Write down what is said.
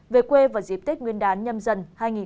về quê và dịp tết nguyên đán nhâm dần hai nghìn một mươi hai